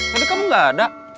tadi kamu nggak ada